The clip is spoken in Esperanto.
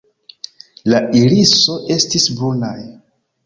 La iriso estis brunaj.